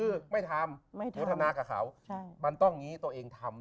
แบบไม่ทำไม่ทำกับเขาใช่มันต้องงี้ตัวเองทำ